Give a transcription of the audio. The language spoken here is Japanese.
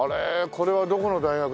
これはどこの大学だろう？